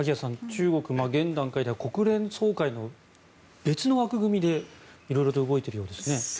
中国、現段階では国連総会と別の枠組みで色々と動いているようですね。